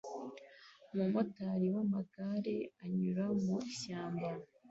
umumotari w'amagare anyura mu ishyamba